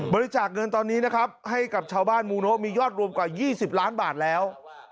บริจาคเงินตอนนี้นะครับให้กับชาวบ้านมูโนะมียอดรวมกว่า๒๐ล้านบาทแล้ว